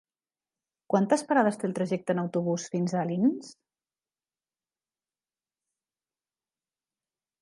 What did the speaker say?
Quantes parades té el trajecte en autobús fins a Alins?